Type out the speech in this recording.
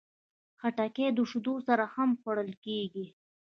خټکی د شیدو سره هم خوړل کېږي.